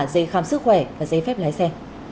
giấy khám sức khỏe và giấy phép lái xe